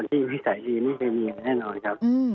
เพราะว่าเขาเป็นคนที่มิสัยดีไม่เคยมีอะไรแน่นอนครับ